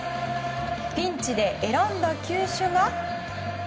ピンチで選んだ球種が。